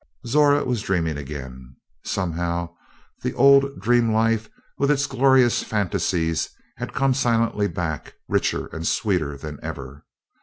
Zora was dreaming again. Somehow, the old dream life, with its glorious phantasies, had come silently back, richer and sweeter than ever.